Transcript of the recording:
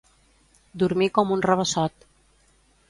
Dormir com un rabassot.